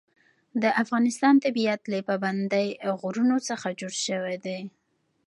د افغانستان طبیعت له پابندی غرونه څخه جوړ شوی دی.